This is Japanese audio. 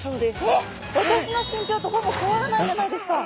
えっ私の身長とほぼ変わらないじゃないですか。